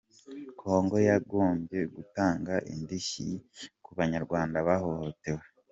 Congo yagombye gutanga indishyi ku banyarwanda bahohotewe